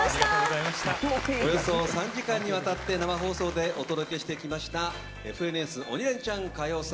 およそ３時間にわたって生放送でお送りしてきました「ＦＮＳ鬼レンチャン歌謡祭」。